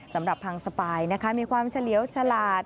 สำหรับพังสปายนะคะมีความเฉลียวฉลาด